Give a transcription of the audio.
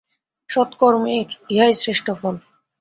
সৎ কর্মের ইহাই শ্রেষ্ঠ ফল।